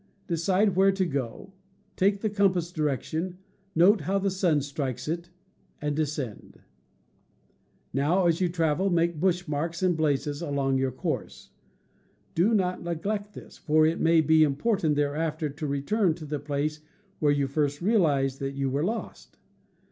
Decide where to go, take the compass direction, note how the sun strikes it, and descend. Now, as you travel, make bush marks and blazes along your course. Do not neglect this; for it may be important thereafter to return to the place where you first realized that you were lost.